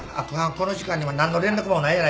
この時間に何の連絡もないやないかい。